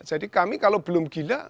jadi kami kalau belum berpandangan